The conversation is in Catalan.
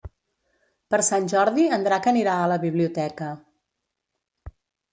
Per Sant Jordi en Drac anirà a la biblioteca.